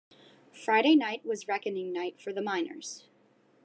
Friday night was reckoning night for the miners.